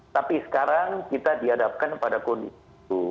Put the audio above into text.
tapi sekarang kita dihadapkan pada kondisi itu